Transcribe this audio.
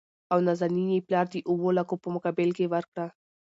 او نازنين يې پلار د اوولکو په مقابل کې ورکړه .